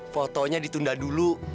fotonya ditunda dulu